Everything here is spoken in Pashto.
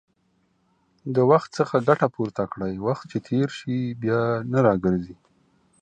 د وخت څخه ګټه پورته کړئ، وخت چې تېر شي، بيا نه راګرځي